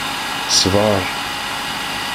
Ṣbeṛ!